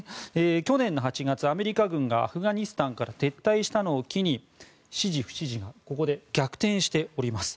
去年８月、アメリカ軍がアフガニスタンから撤退したのを機に支持・不支持が逆転しております。